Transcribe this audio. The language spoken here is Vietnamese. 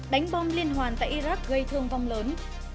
đánh bom liên hoàn tại iraq gây thương vong lớn